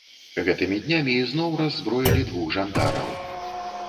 Гэтымі днямі ізноў раззброілі двух жандараў.